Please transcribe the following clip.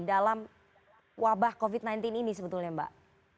dalam wabah covid sembilan belas ini sebetulnya mbak